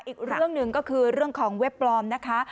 อีกเรื่องหนึ่งก็คือเรื่องของเว็บปลอมนะคะ